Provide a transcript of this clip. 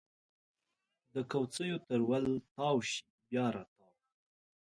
د کوڅېو تر ول تاو شي بیا راتاو